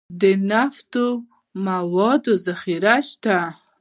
د نفتي موادو ذخیرې شته